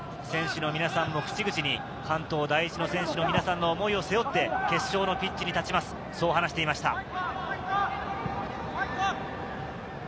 選手の皆さんも口々に、関東第一の選手の皆さんの思いを背負って決勝のピッチに立ちます、そう話していました。